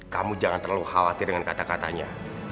kamu jangan terlalu khawatir dengan kata katanya